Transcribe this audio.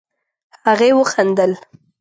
هغې وخندل.